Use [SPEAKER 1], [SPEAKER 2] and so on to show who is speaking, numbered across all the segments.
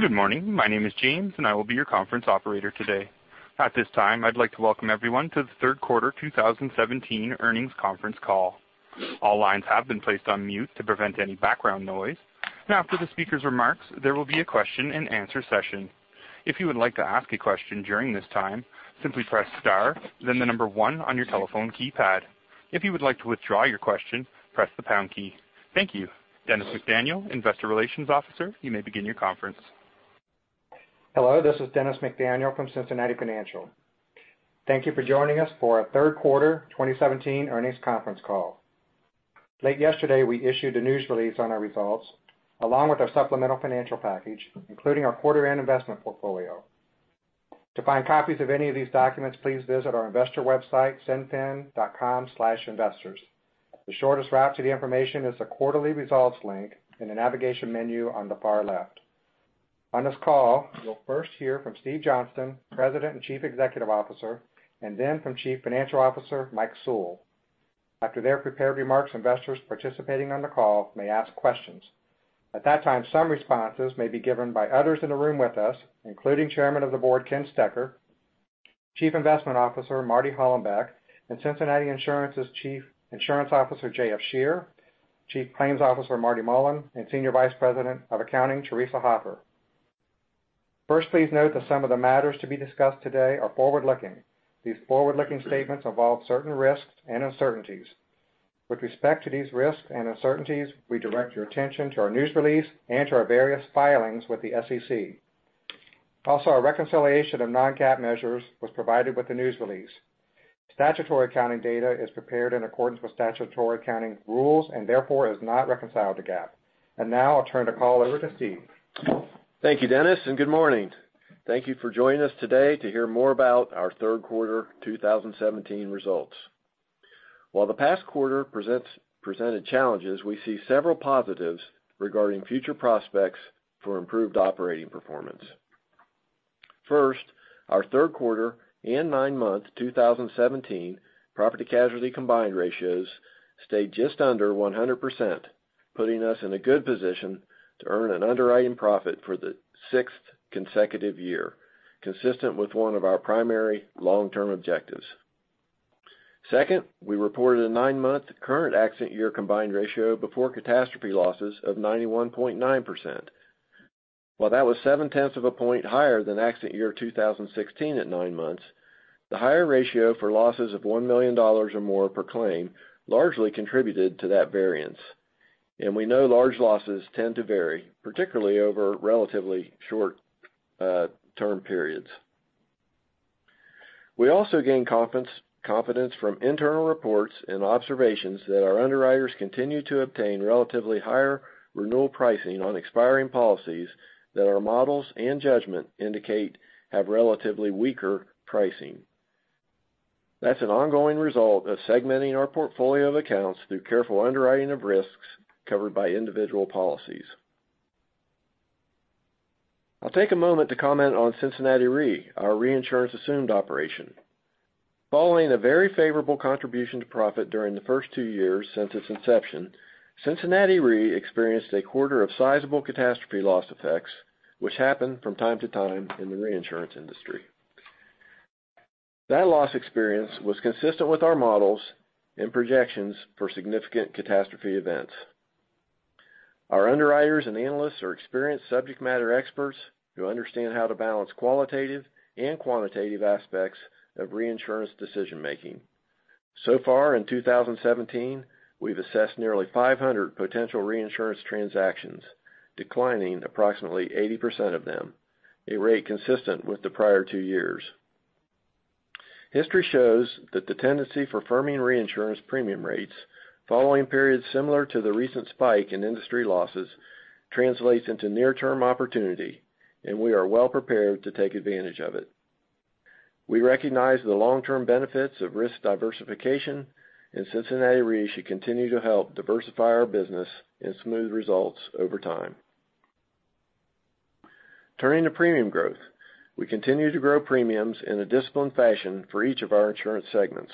[SPEAKER 1] Good morning. My name is James, and I will be your conference operator today. At this time, I'd like to welcome everyone to the third quarter 2017 earnings conference call. All lines have been placed on mute to prevent any background noise. After the speaker's remarks, there will be a question and answer session. If you would like to ask a question during this time, simply press star, then the number 1 on your telephone keypad. If you would like to withdraw your question, press the pound key. Thank you. Dennis McDaniel, Investor Relations Officer, you may begin your conference.
[SPEAKER 2] Hello, this is Dennis McDaniel from Cincinnati Financial. Thank you for joining us for our third quarter 2017 earnings conference call. Late yesterday, we issued a news release on our results, along with our supplemental financial package, including our quarter end investment portfolio. To find copies of any of these documents, please visit our investor website, cinfin.com/investors. The shortest route to the information is the quarterly results link in the navigation menu on the far left. On this call, you'll first hear from Steve Johnston, President and Chief Executive Officer, then from Chief Financial Officer Mike Sewell. After their prepared remarks, investors participating on the call may ask questions. At that time, some responses may be given by others in the room with us, including Chairman of the Board Ken Stecher, Chief Investment Officer Marty Hollenbeck, and Cincinnati Insurance's Chief Insurance Officer J.F. Scherer, Chief Claims Officer Marty Mullen, and Senior Vice President of Accounting Theresa Hoffer. First, please note that some of the matters to be discussed today are forward-looking. These forward-looking statements involve certain risks and uncertainties. With respect to these risks and uncertainties, we direct your attention to our news release and to our various filings with the SEC. Also, a reconciliation of non-GAAP measures was provided with the news release. Statutory accounting data is prepared in accordance with statutory accounting rules and therefore is not reconciled to GAAP. Now I'll turn the call over to Steve.
[SPEAKER 3] Thank you, Dennis, good morning. Thank you for joining us today to hear more about our third quarter 2017 results. While the past quarter presented challenges, we see several positives regarding future prospects for improved operating performance. First, our third quarter and nine-month 2017 property casualty combined ratios stayed just under 100%, putting us in a good position to earn an underwriting profit for the sixth consecutive year, consistent with one of our primary long-term objectives. Second, we reported a nine-month current accident year combined ratio before catastrophe losses of 91.9%. While that was seven-tenths of a point higher than accident year 2016 at nine months, the higher ratio for losses of $1 million or more per claim largely contributed to that variance. We know large losses tend to vary, particularly over relatively short-term periods. We also gained confidence from internal reports and observations that our underwriters continue to obtain relatively higher renewal pricing on expiring policies that our models and judgment indicate have relatively weaker pricing. That's an ongoing result of segmenting our portfolio of accounts through careful underwriting of risks covered by individual policies. I'll take a moment to comment on Cincinnati Re, our reinsurance assumed operation. Following a very favorable contribution to profit during the first two years since its inception, Cincinnati Re experienced a quarter of sizable catastrophe loss effects, which happen from time to time in the reinsurance industry. That loss experience was consistent with our models and projections for significant catastrophe events. Our underwriters and analysts are experienced subject matter experts who understand how to balance qualitative and quantitative aspects of reinsurance decision making. In 2017, we've assessed nearly 500 potential reinsurance transactions, declining approximately 80% of them, a rate consistent with the prior two years. History shows that the tendency for firming reinsurance premium rates following periods similar to the recent spike in industry losses translates into near-term opportunity, and we are well prepared to take advantage of it. We recognize the long-term benefits of risk diversification, and Cincinnati Re should continue to help diversify our business and smooth results over time. Turning to premium growth. We continue to grow premiums in a disciplined fashion for each of our insurance segments.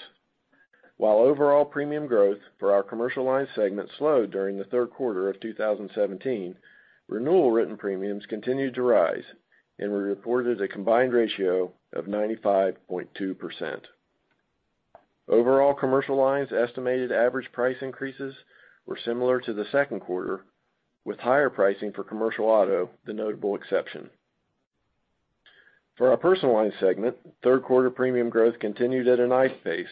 [SPEAKER 3] While overall premium growth for our commercial line segment slowed during the third quarter of 2017, renewal written premiums continued to rise and we reported a combined ratio of 95.2%. Overall commercial lines estimated average price increases were similar to the second quarter, with higher pricing for commercial auto the notable exception. For our personal line segment, third quarter premium growth continued at a nice pace.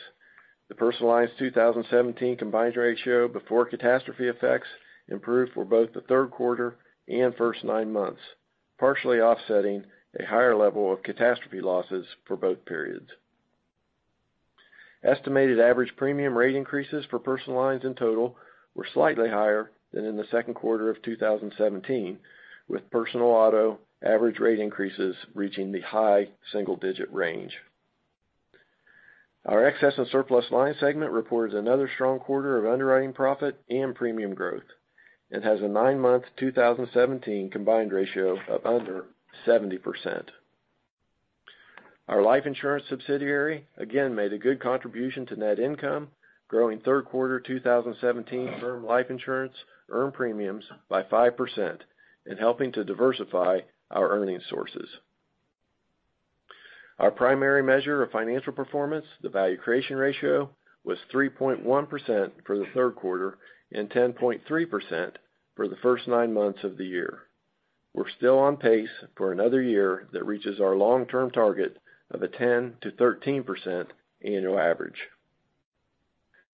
[SPEAKER 3] The personal lines 2017 combined ratio before catastrophe effects improved for both the third quarter and first nine months, partially offsetting a higher level of catastrophe losses for both periods. Estimated average premium rate increases for personal lines in total were slightly higher than in the second quarter of 2017, with personal auto average rate increases reaching the high single-digit range. Our excess and surplus line segment reports another strong quarter of underwriting profit and premium growth. It has a nine-month 2017 combined ratio of under 70%. Our life insurance subsidiary again made a good contribution to net income, growing third quarter 2017 firm life insurance earned premiums by 5%, and helping to diversify our earning sources. Our primary measure of financial performance, the value creation ratio, was 3.1% for the third quarter and 10.3% for the first nine months of the year. We're still on pace for another year that reaches our long-term target of a 10%-13% annual average.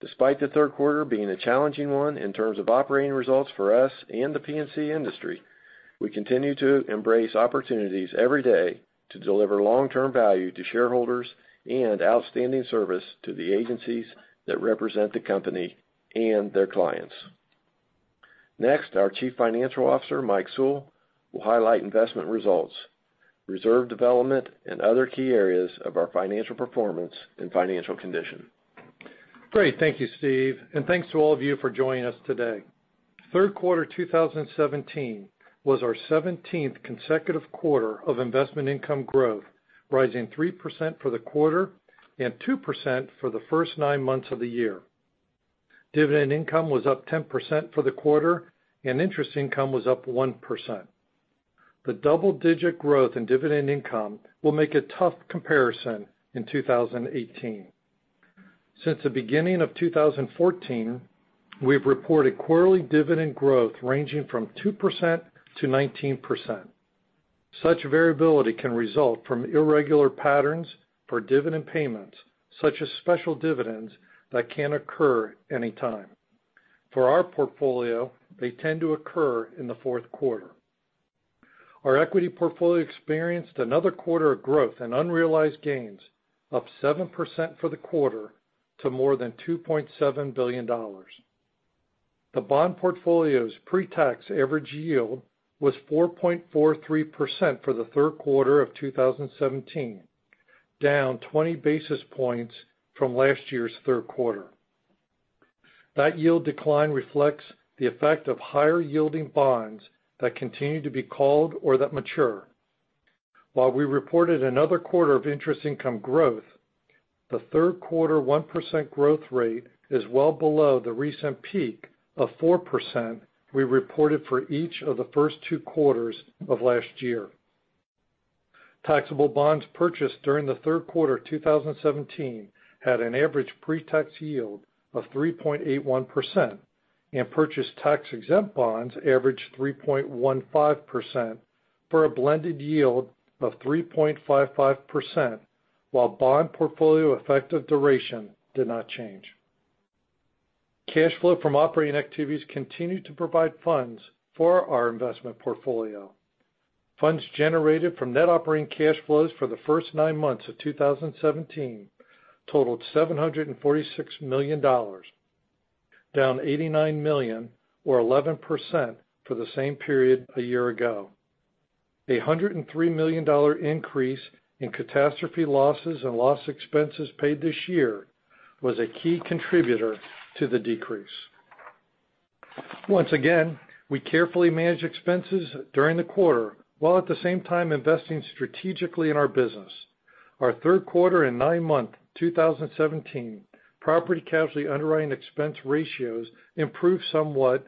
[SPEAKER 3] Despite the third quarter being a challenging one in terms of operating results for us and the P&C industry, we continue to embrace opportunities every day to deliver long-term value to shareholders and outstanding service to the agencies that represent the company and their clients. Next, our Chief Financial Officer, Michael Sewell, will highlight investment results, reserve development, and other key areas of our financial performance and financial condition.
[SPEAKER 4] Great. Thank you, Steve, and thanks to all of you for joining us today. Third quarter 2017 was our 17th consecutive quarter of investment income growth, rising 3% for the quarter and 2% for the first nine months of the year. Dividend income was up 10% for the quarter, and interest income was up 1%. The double-digit growth in dividend income will make a tough comparison in 2018. Since the beginning of 2014, we've reported quarterly dividend growth ranging from 2% to 19%. Such variability can result from irregular patterns for dividend payments, such as special dividends that can occur anytime. For our portfolio, they tend to occur in the fourth quarter. Our equity portfolio experienced another quarter of growth and unrealized gains up 7% for the quarter to more than $2.7 billion. The bond portfolio's pre-tax average yield was 4.43% for the third quarter of 2017, down 20 basis points from last year's third quarter. That yield decline reflects the effect of higher-yielding bonds that continue to be called or that mature. While we reported another quarter of interest income growth, the third quarter 1% growth rate is well below the recent peak of 4% we reported for each of the first two quarters of last year. Taxable bonds purchased during the third quarter 2017 had an average pre-tax yield of 3.81%, and purchased tax-exempt bonds averaged 3.15%, for a blended yield of 3.55%, while bond portfolio effective duration did not change. Cash flow from operating activities continued to provide funds for our investment portfolio. Funds generated from net operating cash flows for the first nine months of 2017 totaled $746 million, down $89 million or 11% for the same period a year ago. A $103 million increase in catastrophe losses and loss expenses paid this year was a key contributor to the decrease. Once again, we carefully managed expenses during the quarter, while at the same time investing strategically in our business. Our third quarter and nine-month 2017 property casualty underwriting expense ratios improved somewhat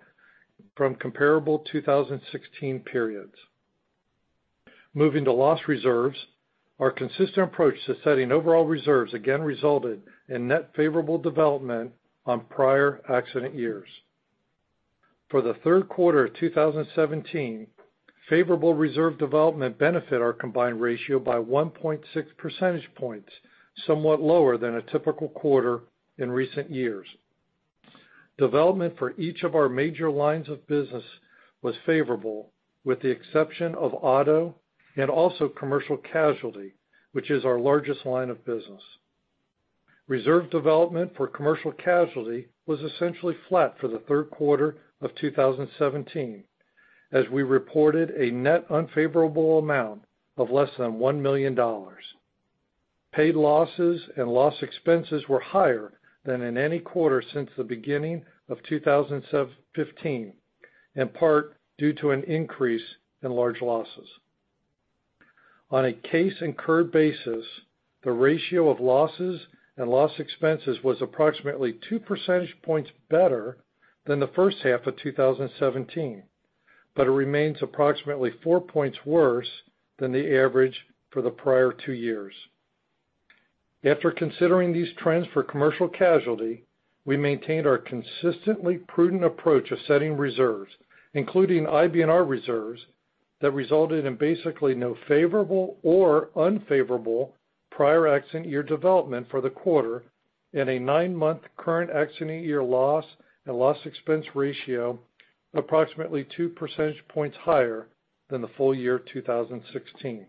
[SPEAKER 4] from comparable 2016 periods. Moving to loss reserves, our consistent approach to setting overall reserves again resulted in net favorable development on prior accident years. For the third quarter of 2017, favorable reserve development benefited our combined ratio by 1.6 percentage points, somewhat lower than a typical quarter in recent years. Development for each of our major lines of business was favorable, with the exception of auto and also commercial casualty, which is our largest line of business. Reserve development for commercial casualty was essentially flat for the third quarter of 2017, as we reported a net unfavorable amount of less than $1 million. Paid losses and loss expenses were higher than in any quarter since the beginning of 2015, in part due to an increase in large losses. On a case incurred basis, the ratio of losses and loss expenses was approximately two percentage points better than the first half of 2017. It remains approximately four points worse than the average for the prior two years. After considering these trends for commercial casualty, we maintained our consistently prudent approach of setting reserves, including IBNR reserves, that resulted in basically no favorable or unfavorable prior accident year development for the quarter and a nine-month current accident year loss and loss expense ratio approximately two percentage points higher than the full year 2016.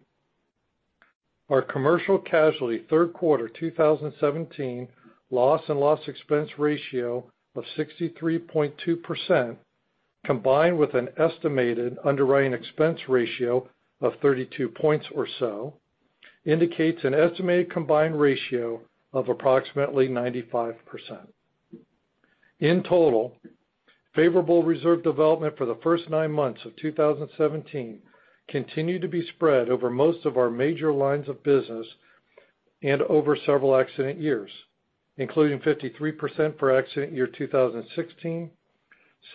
[SPEAKER 4] Our commercial casualty third quarter 2017 loss and loss expense ratio of 63.2%, combined with an estimated underwriting expense ratio of 32 points or so, indicates an estimated combined ratio of approximately 95%. In total, favorable reserve development for the first nine months of 2017 continued to be spread over most of our major lines of business and over several accident years, including 53% for accident year 2016,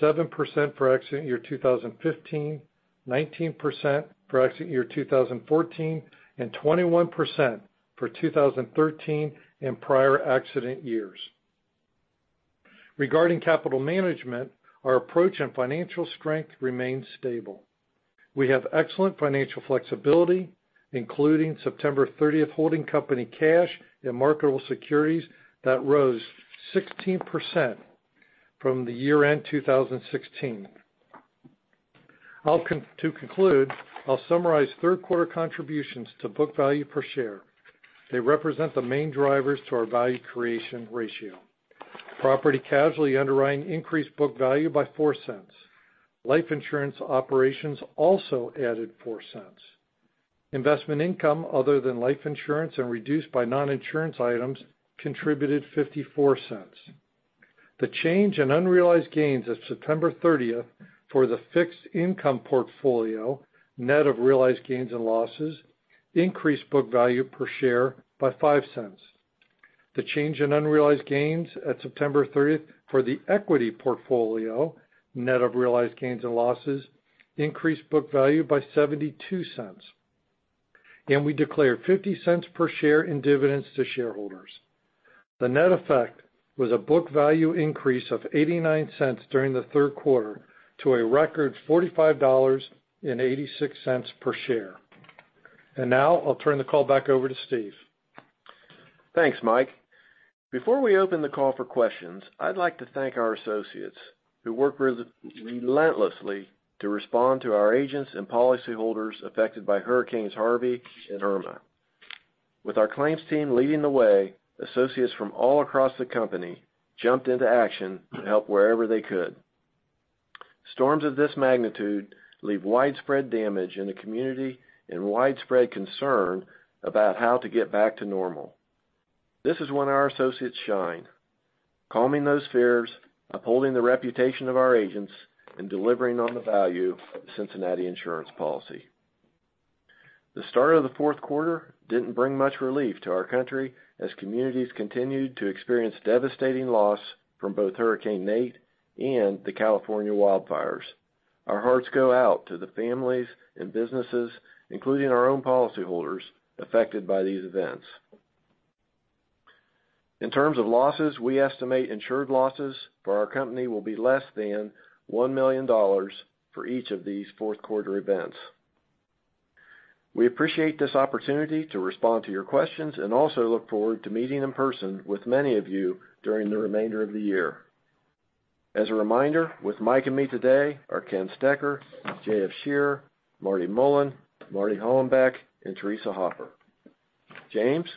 [SPEAKER 4] 7% for accident year 2015, 19% for accident year 2014, and 21% for 2013 and prior accident years. Regarding capital management, our approach and financial strength remains stable. We have excellent financial flexibility, including September 30th holding company cash and marketable securities that rose 16% from the year-end 2016. To conclude, I'll summarize third quarter contributions to book value per share. They represent the main drivers to our value creation ratio. Property casualty underwriting increased book value by $0.04. Life insurance operations also added $0.04. Investment income other than life insurance and reduced by non-insurance items contributed $0.54. The change in unrealized gains at September 30th for the fixed income portfolio, net of realized gains and losses, increased book value per share by $0.05. The change in unrealized gains at September 30th for the equity portfolio, net of realized gains and losses, increased book value by $0.72. We declared $0.50 per share in dividends to shareholders. The net effect was a book value increase of $0.89 during the third quarter to a record $45.86 per share. Now I'll turn the call back over to Steve.
[SPEAKER 3] Thanks, Mike. Before we open the call for questions, I'd like to thank our associates who worked relentlessly to respond to our agents and policyholders affected by hurricanes Harvey and Irma. With our claims team leading the way, associates from all across the company jumped into action to help wherever they could. Storms of this magnitude leave widespread damage in the community and widespread concern about how to get back to normal. This is when our associates shine, calming those fears, upholding the reputation of our agents, and delivering on the value of Cincinnati Insurance policy. The start of the fourth quarter didn't bring much relief to our country as communities continued to experience devastating loss from both Hurricane Nate and the California wildfires. Our hearts go out to the families and businesses, including our own policyholders, affected by these events. In terms of losses, we estimate insured losses for our company will be less than $1 million for each of these fourth quarter events. We appreciate this opportunity to respond to your questions and also look forward to meeting in person with many of you during the remainder of the year. As a reminder, with Mike and me today are Ken Stecher, J.F. Scherer, Marty Mullen, Marty Hollenbeck, and Theresa Hoffer. James,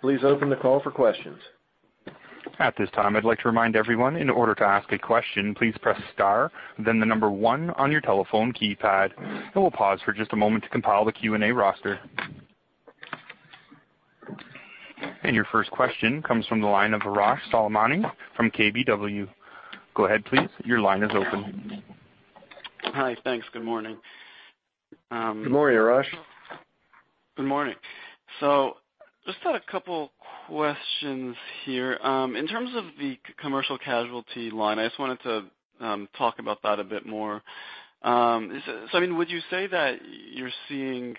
[SPEAKER 3] please open the call for questions.
[SPEAKER 1] At this time, I'd like to remind everyone, in order to ask a question, please press star, then the number one on your telephone keypad, and we'll pause for just a moment to compile the Q&A roster. Your first question comes from the line of Arash Soleimani from KBW. Go ahead, please. Your line is open.
[SPEAKER 5] Hi. Thanks. Good morning.
[SPEAKER 3] Good morning, Arash.
[SPEAKER 5] Good morning. Just had a couple questions here. In terms of the commercial casualty line, I just wanted to talk about that a bit more. Would you say that you're seeing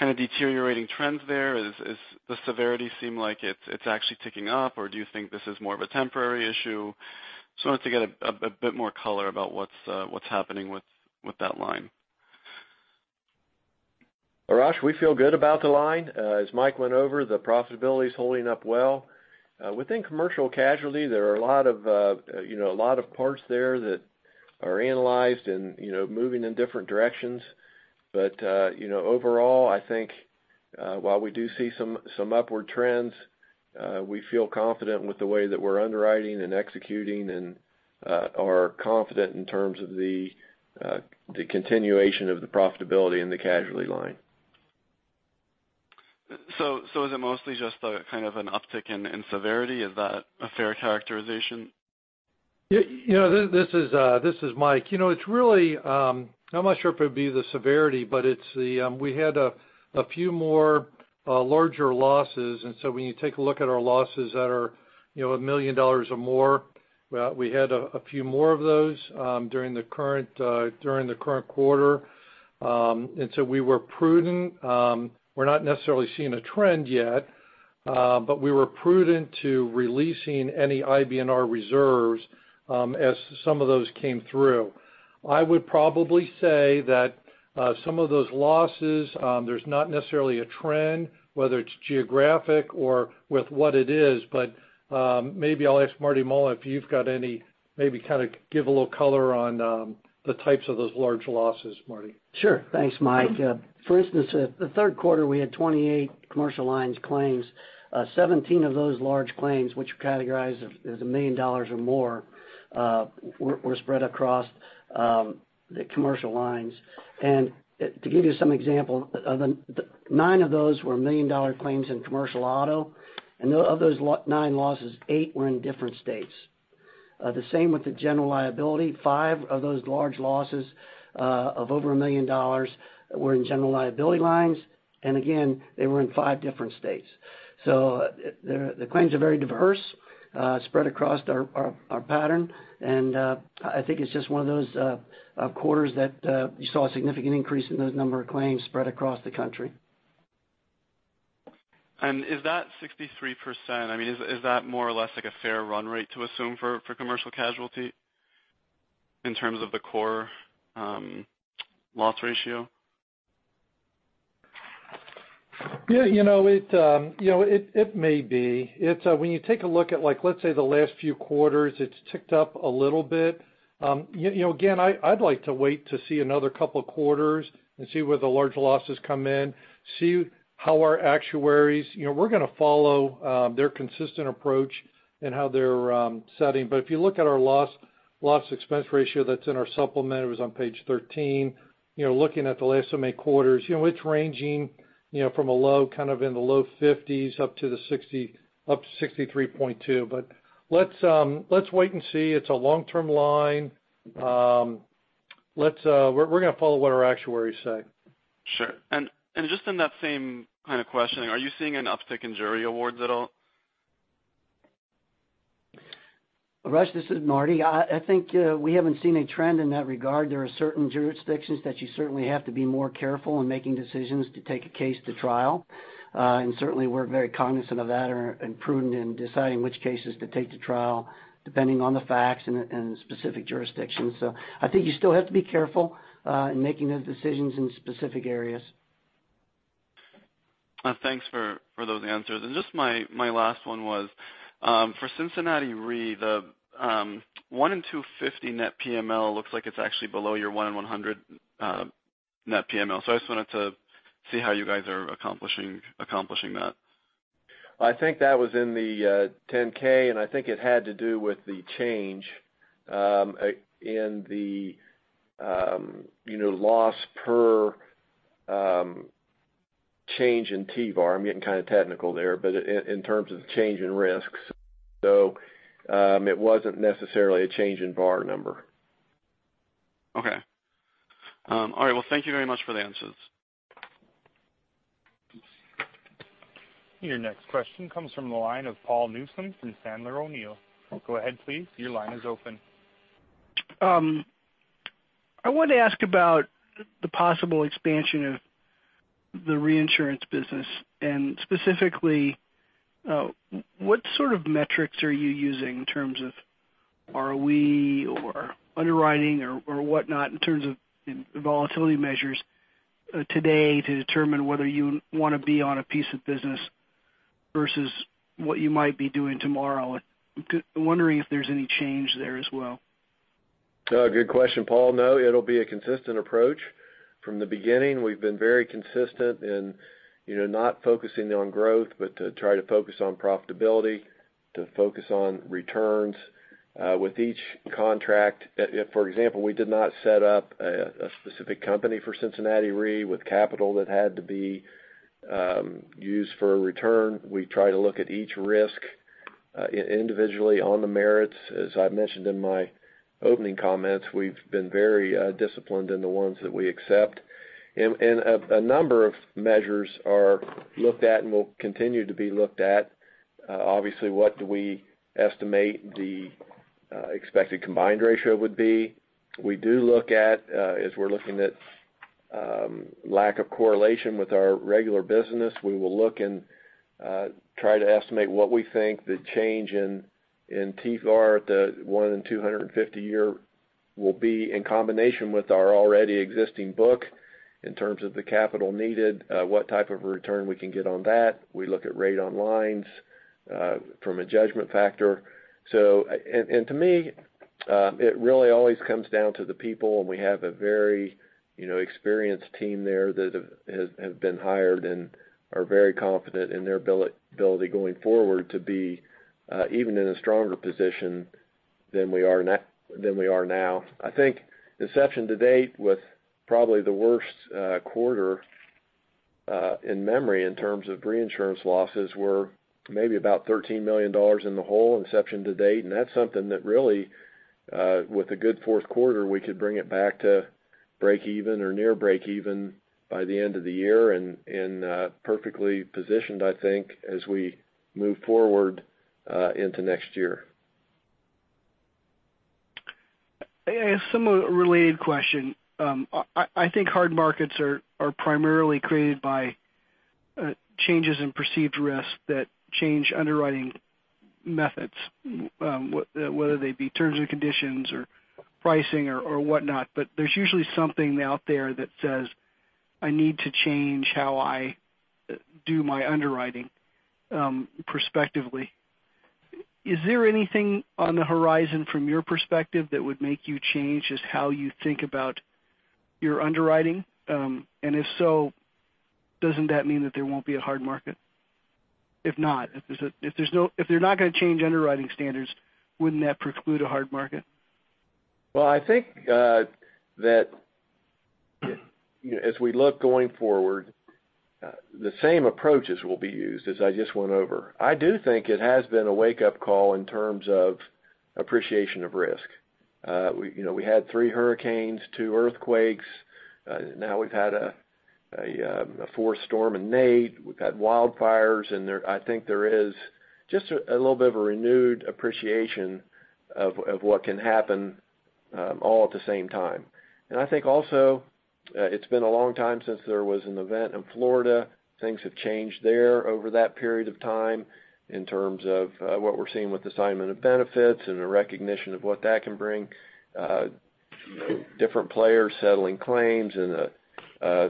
[SPEAKER 5] kind of deteriorating trends there? Does the severity seem like it's actually ticking up, or do you think this is more of a temporary issue? Just wanted to get a bit more color about what's happening with that line.
[SPEAKER 3] Arash, we feel good about the line. As Mike went over, the profitability's holding up well. Within commercial casualty, there are a lot of parts there that are analyzed and moving in different directions. Overall, I think while we do see some upward trends, we feel confident with the way that we're underwriting and executing and are confident in terms of the continuation of the profitability in the casualty line.
[SPEAKER 5] Is it mostly just a kind of an uptick in severity? Is that a fair characterization?
[SPEAKER 4] This is Mike. I'm not sure if it'd be the severity, but we had a few more larger losses, and so when you take a look at our losses that are $1 million or more, we had a few more of those during the current quarter. We're not necessarily seeing a trend yet, but we were prudent to releasing any IBNR reserves as some of those came through. I would probably say that some of those losses, there's not necessarily a trend, whether it's geographic or with what it is. Maybe I'll ask Martin Mullen if you've got any, maybe kind of give a little color on the types of those large losses, Marty.
[SPEAKER 6] Sure. Thanks, Mike. For instance, the third quarter, we had 28 commercial lines claims. 17 of those large claims, which were categorized as $1 million or more, were spread across the commercial lines. To give you some example, nine of those were $1 million claims in commercial auto, and of those nine losses, eight were in different states. The same with the general liability. Five of those large losses of over $1 million were in general liability lines. Again, they were in five different states. The claims are very diverse, spread across our pattern, and I think it's just one of those quarters that you saw a significant increase in those number of claims spread across the country.
[SPEAKER 5] Is that 63% more or less like a fair run rate to assume for commercial casualty in terms of the core loss ratio?
[SPEAKER 4] Yeah, it may be. When you take a look at let's say the last few quarters, it's ticked up a little bit. Again, I'd like to wait to see another couple of quarters and see where the large losses come in, see how our actuaries. We're going to follow their consistent approach and how they're setting. If you look at our loss expense ratio that's in our supplement, it was on page 13. Looking at the last so many quarters, it's ranging from a low, kind of in the low 50s up to 63.2. Let's wait and see. It's a long-term line. We're going to follow what our actuaries say.
[SPEAKER 5] Sure. Just in that same kind of questioning, are you seeing an uptick in jury awards at all?
[SPEAKER 6] Arash, this is Marty. I think we haven't seen a trend in that regard. There are certain jurisdictions that you certainly have to be more careful in making decisions to take a case to trial. Certainly, we're very cognizant of that and prudent in deciding which cases to take to trial, depending on the facts and the specific jurisdictions. I think you still have to be careful in making those decisions in specific areas.
[SPEAKER 5] Thanks for those answers. Just my last one was, for Cincinnati Re, the 1 in 250 net PML looks like it's actually below your 1 in 100 net PML. I just wanted to see how you guys are accomplishing that.
[SPEAKER 3] I think that was in the 10-K, and I think it had to do with the change in the loss per change in TVAR. I'm getting kind of technical there, but in terms of the change in risks. It wasn't necessarily a change in VAR number.
[SPEAKER 5] Okay. All right. Well, thank you very much for the answers.
[SPEAKER 1] Your next question comes from the line of Paul Newsome from Sandler O'Neill + Partners. Go ahead, please. Your line is open.
[SPEAKER 7] I wanted to ask about the possible expansion of the reinsurance business. Specifically, what sort of metrics are you using in terms of ROE or underwriting or whatnot in terms of volatility measures today to determine whether you want to be on a piece of business versus what you might be doing tomorrow? Wondering if there's any change there as well.
[SPEAKER 3] Good question, Paul. No, it'll be a consistent approach. From the beginning, we've been very consistent in not focusing on growth, but to try to focus on profitability, to focus on returns with each contract. For example, we did not set up a specific company for Cincinnati Re with capital that had to be used for a return. We try to look at each risk individually on the merits. As I mentioned in my opening comments, we've been very disciplined in the ones that we accept. A number of measures are looked at and will continue to be looked at. Obviously, what do we estimate the expected combined ratio would be? We do look at as we're looking at lack of correlation with our regular business. We will look and try to estimate what we think the change in TVAR at the one in 250 year will be in combination with our already existing book in terms of the capital needed, what type of return we can get on that. We look at rate on lines from a judgment factor. To me, it really always comes down to the people, and we have a very experienced team there that have been hired and are very confident in their ability going forward to be even in a stronger position than we are now. I think inception to date, with probably the worst quarter in memory in terms of reinsurance losses, we're maybe about $13 million in the hole inception to date. That's something that really with a good fourth quarter, we could bring it back to break even or near break even by the end of the year, and perfectly positioned, I think, as we move forward into next year.
[SPEAKER 7] I have somewhat a related question. I think hard markets are primarily created by changes in perceived risk that change underwriting methods, whether they be terms and conditions or pricing or whatnot. There's usually something out there that says, I need to change how I do my underwriting prospectively. Is there anything on the horizon from your perspective that would make you change just how you think about your underwriting? If so, doesn't that mean that there won't be a hard market? If not, if they're not going to change underwriting standards, wouldn't that preclude a hard market?
[SPEAKER 3] Well, I think that As we look going forward, the same approaches will be used as I just went over. I do think it has been a wake-up call in terms of appreciation of risk. We had three hurricanes, two earthquakes, now we've had a fourth storm in Nate. We've had wildfires, I think there is just a little bit of a renewed appreciation of what can happen all at the same time. I think also it's been a long time since there was an event in Florida. Things have changed there over that period of time in terms of what we're seeing with assignment of benefits and a recognition of what that can bring, different players settling claims, and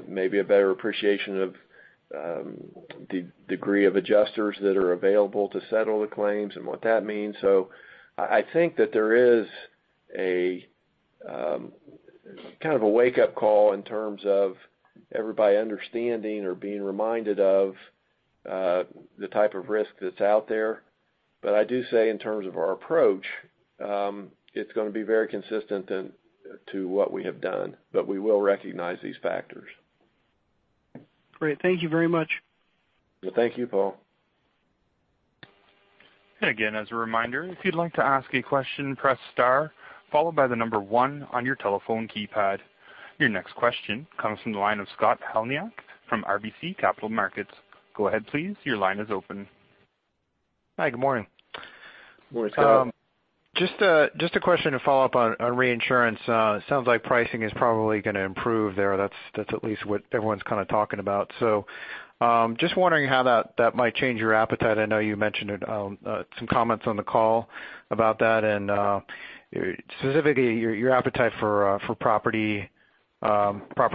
[SPEAKER 3] maybe a better appreciation of the degree of adjusters that are available to settle the claims and what that means. I think that there is a kind of a wake-up call in terms of everybody understanding or being reminded of the type of risk that's out there. I do say in terms of our approach, it's going to be very consistent to what we have done. We will recognize these factors.
[SPEAKER 7] Great. Thank you very much.
[SPEAKER 3] Thank you, Paul.
[SPEAKER 1] Again, as a reminder, if you'd like to ask a question, press star followed by the number 1 on your telephone keypad. Your next question comes from the line of Scott Heleniak from RBC Capital Markets. Go ahead, please. Your line is open.
[SPEAKER 8] Hi, good morning.
[SPEAKER 3] Morning, Scott.
[SPEAKER 8] Just a question to follow up on reinsurance. Sounds like pricing is probably going to improve there. That's at least what everyone's kind of talking about. Just wondering how that might change your appetite. I know you mentioned some comments on the call about that, and specifically your appetite for property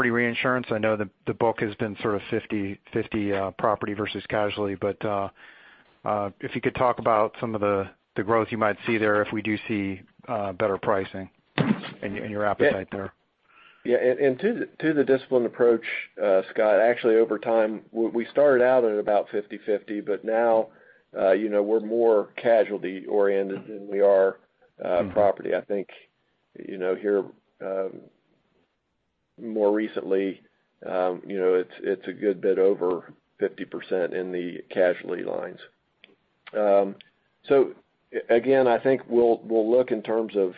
[SPEAKER 8] reinsurance. I know the book has been sort of 50/50 property versus casualty, but if you could talk about some of the growth you might see there if we do see better pricing and your appetite there.
[SPEAKER 3] Yeah. To the disciplined approach, Scott, actually over time, we started out at about 50/50, but now we're more casualty oriented than we are property. I think here more recently, it's a good bit over 50% in the casualty lines. Again, I think we'll look in terms of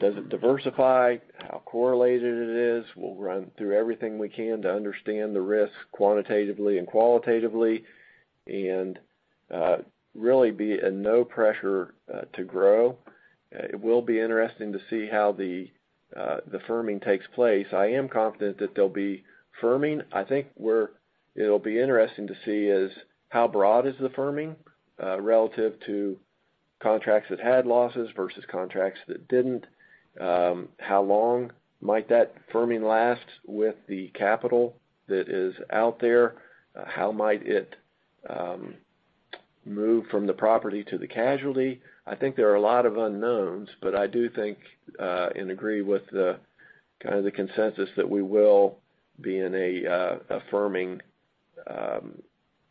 [SPEAKER 3] does it diversify, how correlated it is. We'll run through everything we can to understand the risk quantitatively and qualitatively and really be at no pressure to grow. It will be interesting to see how the firming takes place. I am confident that there'll be firming. I think where it'll be interesting to see is how broad is the firming relative to contracts that had losses versus contracts that didn't. How long might that firming last with the capital that is out there? How might it move from the property to the casualty? I think there are a lot of unknowns, but I do think and agree with the kind of the consensus that we will be in a firming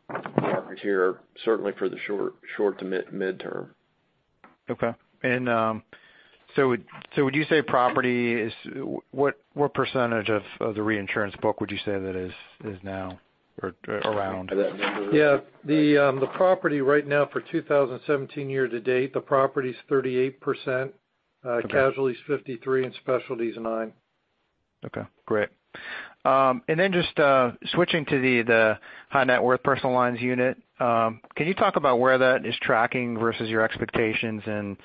[SPEAKER 3] market here, certainly for the short to midterm.
[SPEAKER 8] Okay. Would you say property what percentage of the reinsurance book would you say that is now or around?
[SPEAKER 3] Do you have that number?
[SPEAKER 4] Yeah, the property right now for 2017 year to date, the property's 38%, casualty's 53%, and specialty's nine%.
[SPEAKER 8] Okay, great. Just switching to the high net worth personal lines unit, can you talk about where that is tracking versus your expectations and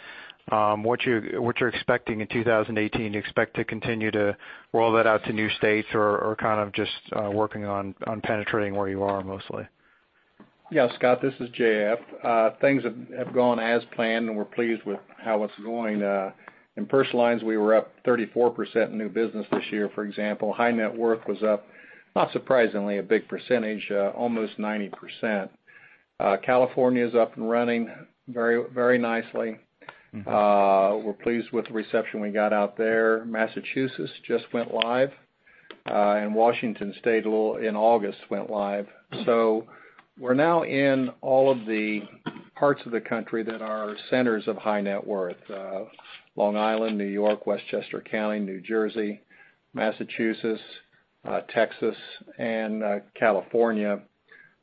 [SPEAKER 8] what you're expecting in 2018? Do you expect to continue to roll that out to new states or kind of just working on penetrating where you are mostly?
[SPEAKER 9] Yeah, Scott, this is J.F. Things have gone as planned, we're pleased with how it's going. In personal lines, we were up 34% in new business this year, for example. High net worth was up, not surprisingly, a big percentage, almost 90%. California's up and running very nicely. We're pleased with the reception we got out there. Massachusetts just went live, Washington State in August went live. We're now in all of the parts of the country that are centers of high net worth. Long Island, New York, Westchester County, New Jersey, Massachusetts, Texas, and California.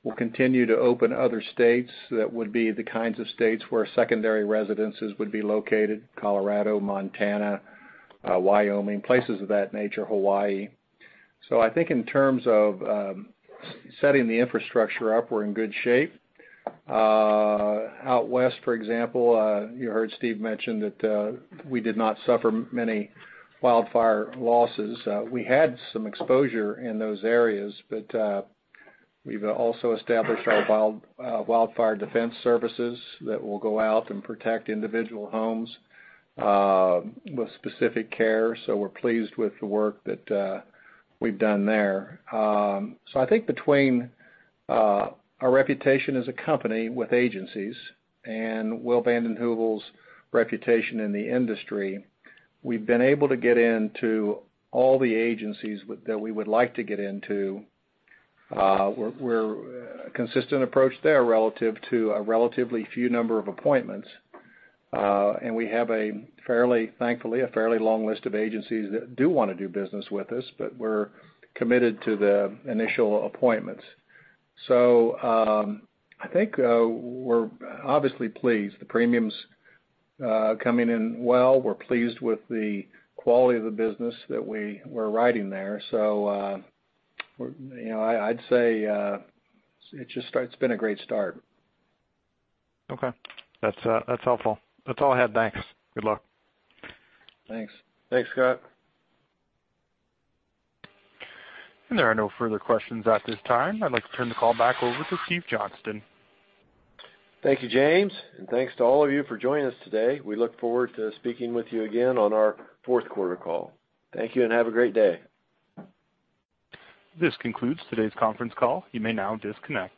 [SPEAKER 9] We'll continue to open other states that would be the kinds of states where secondary residences would be located. Colorado, Montana, Wyoming, places of that nature, Hawaii. I think in terms of setting the infrastructure up, we're in good shape. Out West, for example, you heard Steve mention that we did not suffer many wildfire losses. We had some exposure in those areas, but we've also established our Wildfire Defense Services that will go out and protect individual homes with specific care. We're pleased with the work that we've done there. I think between our reputation as a company with agencies and Will Van Den Heuvel's reputation in the industry, we've been able to get into all the agencies that we would like to get into. We're a consistent approach there relative to a relatively few number of appointments. We have, thankfully, a fairly long list of agencies that do want to do business with us, but we're committed to the initial appointments. I think we're obviously pleased. The premium's coming in well. We're pleased with the quality of the business that we're writing there. I'd say it's been a great start.
[SPEAKER 8] Okay. That's helpful. That's all I had. Thanks. Good luck.
[SPEAKER 3] Thanks.
[SPEAKER 4] Thanks, Scott.
[SPEAKER 1] There are no further questions at this time. I'd like to turn the call back over to Steven Johnston.
[SPEAKER 3] Thank you, James, and thanks to all of you for joining us today. We look forward to speaking with you again on our fourth quarter call. Thank you and have a great day.
[SPEAKER 1] This concludes today's conference call. You may now disconnect.